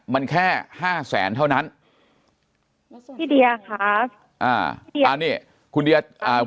มันแค่ห้าแสนเท่านั้นพี่เดียครับอ่าอ่านี่คุณเดียอ่า